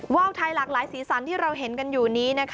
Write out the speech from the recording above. ว่าวไทยหลากหลายสีสันที่เราเห็นกันอยู่นี้